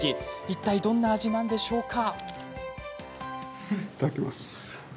いったいどんな味なんでしょうか。